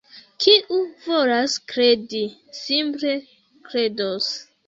Kiu volas kredi, simple kredos.